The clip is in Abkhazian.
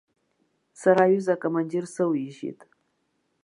Сара аҩыза акомандир соуижьит.